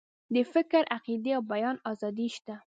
د فکر، عقیدې او بیان آزادي شته.